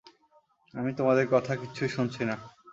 আমি তোমাদের কথা কিচ্ছু শুনছি না!